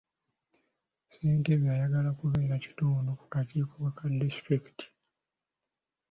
Ssentebe ayagala kubeera kitundu ku kakiiko ka disitulikiti.